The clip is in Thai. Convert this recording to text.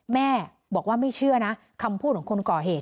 แม่บอกว่าไม่เชื่อนะคำพูดของคนก่อเหตุ